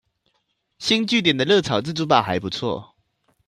星聚點的熱炒自助吧還不錯